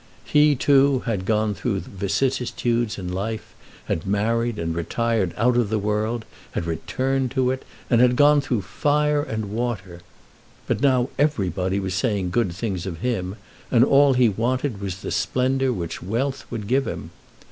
He, too, had gone through vicissitudes in life, had married and retired out of the world, had returned to it, and had gone through fire and water. But now everybody was saying good things of him, and all he wanted was the splendour which wealth would give him.